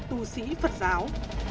tu sĩ phật giáo